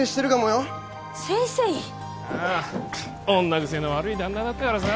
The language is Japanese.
女癖の悪い旦那だったからさ。